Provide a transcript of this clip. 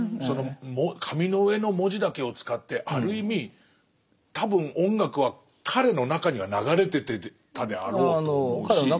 その紙の上の文字だけを使ってある意味多分音楽は彼の中には流れてたであろうと思うし。